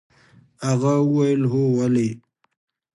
هغه وويل هو ولې.